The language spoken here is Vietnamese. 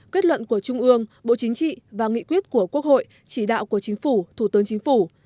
kết luận của trung ương bộ chính trị và nghị quyết của quốc hội chỉ đạo của chính phủ thủ tướng chính phủ